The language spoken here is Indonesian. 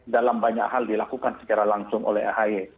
dalam banyak hal dilakukan secara langsung oleh ahy